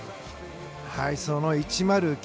その１０９